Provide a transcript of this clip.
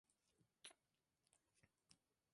El Canal de Oro es un lago artificial.